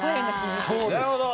なるほど。